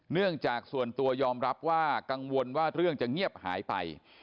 เนื่องจากส่วนตัวยอมรับว่ากังวลว่าเรื่องจะเงียบหายไป